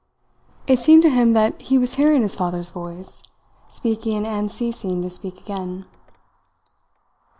It seemed to him that he was hearing his father's voice, speaking and ceasing to speak again.